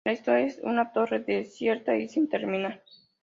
En la historia, es una torre desierta y sin terminar.